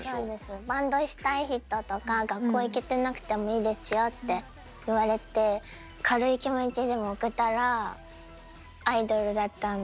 「バンドしたい人とか学校行けてなくてもいいですよ」って言われて軽い気持ちでも送ったらアイドルだったんですよ。